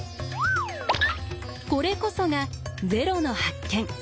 これこそが０の発見。